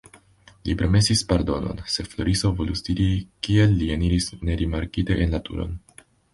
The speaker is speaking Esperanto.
Li promesis pardonon, se Floriso volus diri, kiel li eniris nerimarkite en la turon.